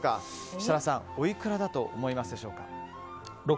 設楽さん、おいくらだと思いますでしょうか。